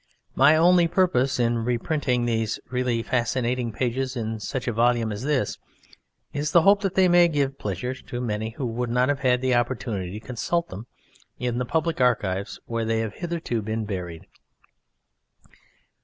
My only purpose in reprinting these really fascinating pages in such a volume as this is the hope that they may give pleasure to many who would not have had the opportunity to consult them in the public archives where they have hitherto been buried.